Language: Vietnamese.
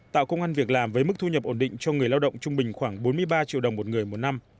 tạo công an việc làm với mức thu nhập ổn định cho người lao động trung bình khoảng bốn mươi ba triệu đồng một người một năm